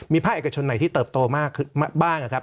มีภาคเอกชนไหนที่เติบโตมากนะครับ